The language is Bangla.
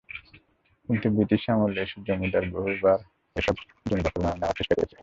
কিন্তু ব্রিটিশ আমলে এসে জমিদাররা বহুবার এসব জমি দখলে নেওয়ার চেষ্টা করেছিল।